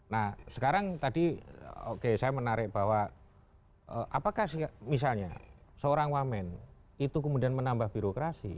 nah sekarang tadi oke saya menarik bahwa apakah misalnya seorang wamen itu kemudian menambah birokrasi